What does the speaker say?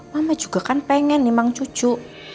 mama juga kan pengen nih mang cucu